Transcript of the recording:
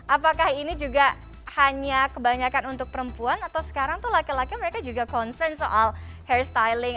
apakah ini juga hanya kebanyakan untuk perempuan atau sekarang tuh laki laki mereka juga concern soal hair styling